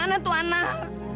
kemana tuh anak